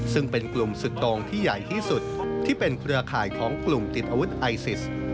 ซึ่งเป็นกลุ่มสุดโตรงที่ใหญ่ที่สุดที่เป็นเครือข่ายของกลุ่มติดอาวุธไอซิส